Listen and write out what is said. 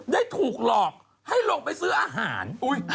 ได้ถูกหลอกให้ลงไปซื้ออาหาร